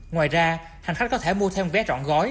ngoài ra hành khách có thể mua thêm vé trọn gói